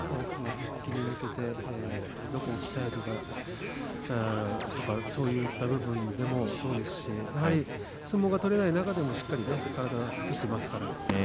復帰に向けてどこを鍛えるかとかそういった部分でもそうですし相撲が取れない中でもしっかり体は作っていますから。